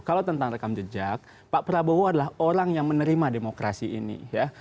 kalau tentang rekam jejak pak prabowo adalah orang yang menerima demokrasi ini ya